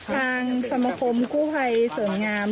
ทางสมคมกู้ภัยเสิร์ภงาม